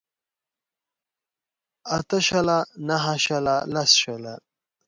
اته شله نهه شله لس شله